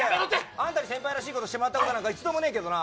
あんたに先輩らしいことしてもらった覚え一度もないけどな。